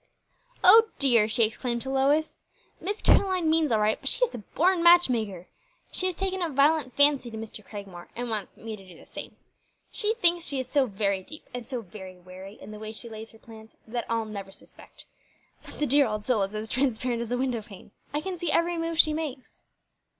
"O dear!" she exclaimed to Lois, "Miss Caroline means all right, but she is a born matchmaker. She has taken a violent fancy to Mr. Cragmore, and wants me to do the same. She thinks she is so very deep, and so very wary in the way she lays her plans, that I'll never suspect; but the dear old soul is as transparent as a window pane. I can see every move she makes."